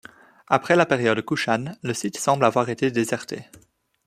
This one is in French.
Après la période koushane, le site semble avoir été déserté.